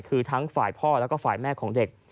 คือทั้งฝ่ายพ่อแล้วก็ฝ่ายแม่ของเด็ก